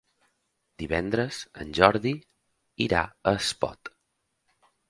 Divendres en Jordi irà a Espot.